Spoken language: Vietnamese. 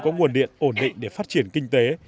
có nguồn điện ổn định để phát triển kinh tế